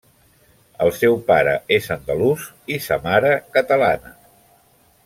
El seu pare és andalús i sa mare, catalana.